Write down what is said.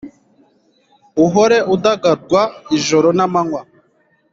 uhore udagadwa ijoro n’amanywa,